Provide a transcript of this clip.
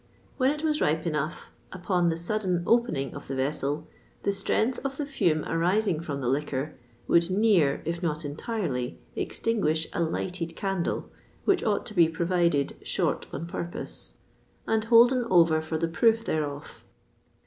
When it was ripe enough, upon the sudden opening of the vessel, the strength of the fume arising from the liquour would near, if not entirely, extinguish a lighted candle, which ought to be provided short on purpose, and holden over for the proof thereof.